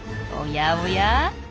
おやおや？